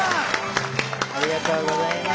おめでとうございます。